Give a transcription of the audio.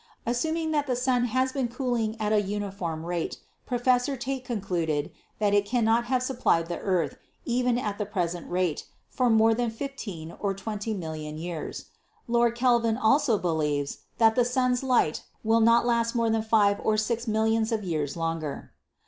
Assuming that the sun has been cooling at a uniform rate, Professor Tait concluded that it cannot have supplied the earth, even at the present rate, for more than about 15 or 20 million years. Lord Kelvin also believes that the sun's light will not last more than 5 or 6 millions of years longer.